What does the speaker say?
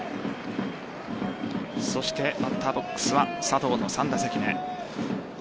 バッターボックスは佐藤の３打席目。